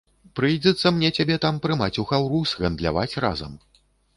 Прыйдзецца мне цябе там прымаць у хаўрус, гандляваць разам.